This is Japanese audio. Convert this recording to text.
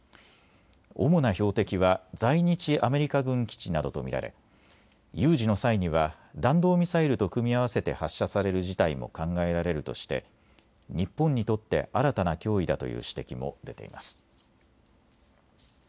主な標的は在日アメリカ軍基地などと見られ有事の際には弾道ミサイルと組み合わせて発射される事態も考えられるとして日本にとって新たな脅威だという指摘も出ています。